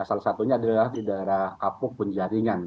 salah satunya adalah di daerah kapuk pun jaringan